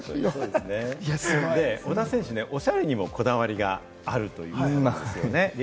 小田選手、おしゃれにもこだわりがあるといいますね。